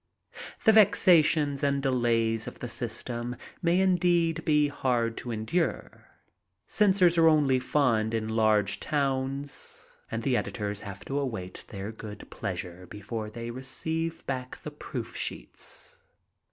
The vexations and delays of the system must indeed be hard to endure. Censors are only found in large towns and the editors have to await their good pleasure before they receive back the proof sheets.